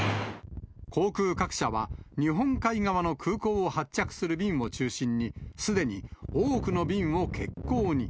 航空各社は日本海側の空港を発着する便を中心に、すでに多くの便を欠航に。